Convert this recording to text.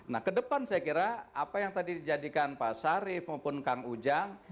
nah ke depan saya kira apa yang tadi dijadikan pak sarif maupun kang ujang